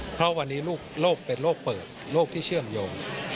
เพราะวันนี้โรคเป็นโรคเปิดโรคที่เชื่อมโยง